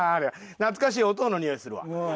懐かしいお父のにおいするわ。